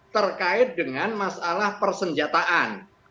terkait dengan masalah persenjataan